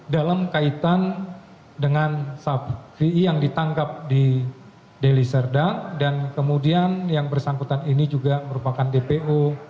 dalam kaitan dengan sub vi yang ditangkap di deliserda dan kemudian yang bersangkutan ini juga merupakan dpo